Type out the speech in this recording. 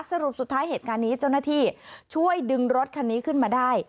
สรุปสุดท้ายเหตุการณ์นี้เจ้าหน้าที่ช่วยดึงรถคันนี้ขึ้นมาได้